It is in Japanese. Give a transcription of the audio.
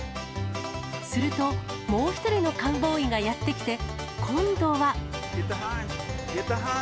すると、もう一人のカウボーイがやって来て、今度は。